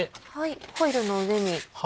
ホイルの上に。